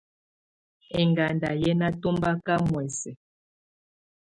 Ɛŋgándà yɛ́ ná tɔ̀mbaká muɛsɛ.